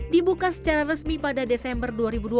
dibuka secara resmi pada desember dua ribu dua puluh